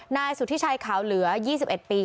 นายสุธิชัยขาวเหลือ๒๑ปี